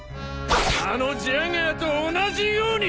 あのジャガーと同じように。